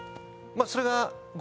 それが。